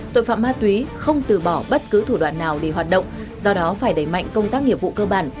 tội phạm ma túy không từ bỏ bất cứ thủ đoàn nào để hoạt động do đó phải đẩy mạnh công tác nghiệp vụ cơ bản